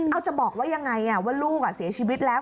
เอาจะบอกว่ายังไงว่าลูกเสียชีวิตแล้ว